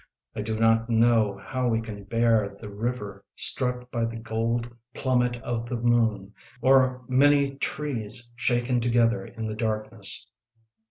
I do not know how we can bear The river struck by the gold plummet of the moon, Or many trees shaken together in the darkness.